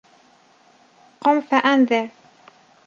قُم فَأَنذِر